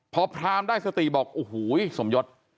พอพรามได้สติบอกโอ้โหสมยศ